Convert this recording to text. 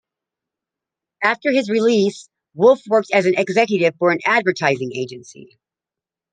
After his release, Wolff worked as an executive for an advertising agency.